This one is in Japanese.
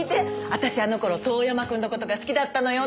私あの頃遠山くんの事が好きだったのよ。